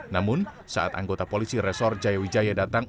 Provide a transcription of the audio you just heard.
namun saat anggota polisi resor jayawijaya datang